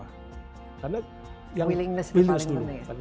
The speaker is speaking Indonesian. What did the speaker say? ketentuan dari kawan kawan ini seperti apa